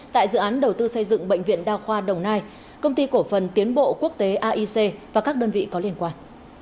tại dự án đầu tư xây dựng bệnh viện đa khoa đồng nai công ty cổ phần tiến bộ quốc tế aic và các đơn vị có liên quan